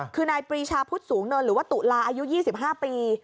คือนายปรีชาพุทธสูงเนินหรือว่าตุลาอายุ๒๕ปี